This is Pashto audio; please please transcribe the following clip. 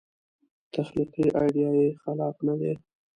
تخلیقي ایډیا یې خلاق نه دی.